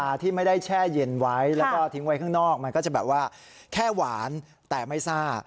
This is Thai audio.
ที่ไม่ได้แช่เย็นไว้แล้วก็ทิ้งไว้ข้างนอกมันก็จะแบบว่าแค่หวานแต่ไม่ซ่า